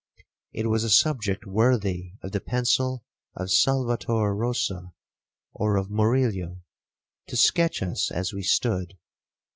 It was a subject worthy of the pencil of Salvator Rosa, or of Murillo, to sketch us as we stood.